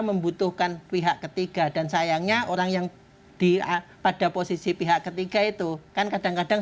membutuhkan pihak ketiga dan sayangnya orang yang dia pada posisi pihak ketiga itu kan kadang kadang